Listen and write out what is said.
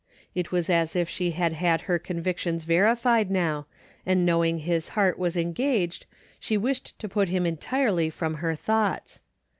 It was as if she had had her convictions verified now, and know ing his heart was engaged she wished to put him entirely from her thoughts.